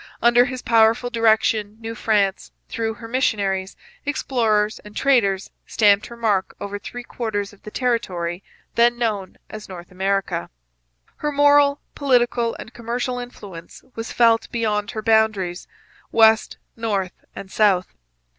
Under his powerful direction New France, through her missionaries, explorers, and traders, stamped her mark over three quarters of the territory then known as North America. Her moral, political, and commercial influence was felt beyond her boundaries west, north, and south.